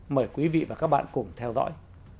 mời quý vị và các bạn cùng theo dõi